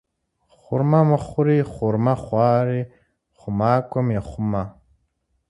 Хъурмэ мыхъури, хъурмэ хъуари хъумакӏуэм ехъумэ.